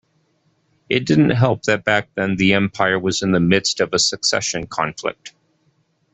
It didn't help that back then the empire was in the midst of a succession conflict.